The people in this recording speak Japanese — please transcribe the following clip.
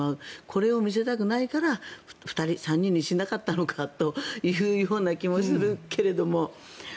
これを見せたくないから３人にしなかったのかというような気もするけども。